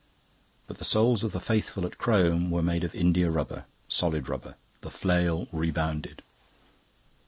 But the souls of the faithful at Crome were made of india rubber, solid rubber; the flail rebounded.